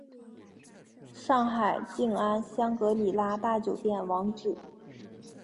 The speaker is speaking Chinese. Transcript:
上海静安香格里拉大酒店网址